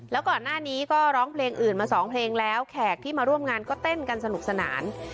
แล้วก่อนหน้านี้ก็ร้องเพลงอื่นมาสองเพลงแล้วแขกที่มาร่วมงานก็เต้นกันสนุกสนาน